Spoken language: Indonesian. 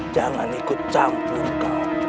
jangan ikut campur kau